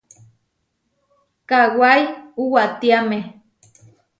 Kawái uwatiáme.